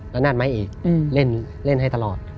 ละนาดไม้เอกเล่นให้ตลอด